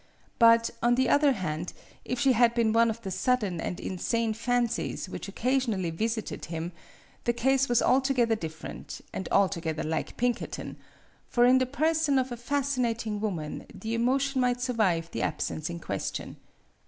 But, on the other hand, if she had been one of the sudden and insane fancies which occasionally visited him, the case was altogether different, and altogether like Pinkerton; for in the person of a fascinating woman the emotion might survive the absence in question.